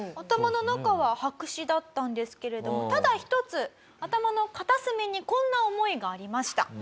頭の中は白紙だったんですけれどもただ１つ頭の片隅にこんな思いがありました。